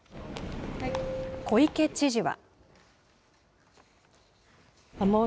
小池知事は。